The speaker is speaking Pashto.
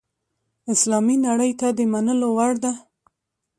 اسلامي نړۍ ته د منلو وړ ده.